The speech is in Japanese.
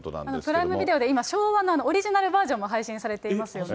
プライムビデオで昭和のオリジナルバージョンも配信されていますよね。